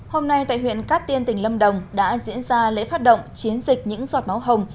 hôm nay tại huyện cát tiên tỉnh lâm đồng đã diễn ra lễ phát động chiến dịch những giọt máu hồng